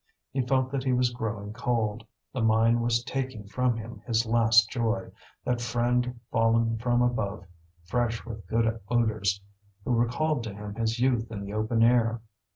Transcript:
He felt that he was growing cold, the mine was taking from him his last joy, that friend fallen from above, fresh with good odours, who recalled to him his youth in the open air.